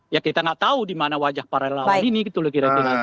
ya kita nggak tahu di mana wajah para lawan ini gitu loh kira kira